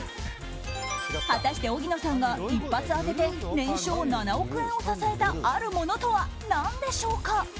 果たして荻野さんが一発当てて年商７億円を支えたあるものとは何でしょうか。